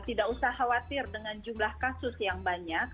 tidak usah khawatir dengan jumlah kasus yang banyak